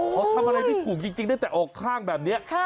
เขาทำอะไรไม่ถูกจริงตั้งแต่ออกข้างแบบนี้